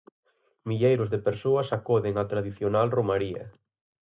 Milleiros de persoas acoden á tradicional romaría.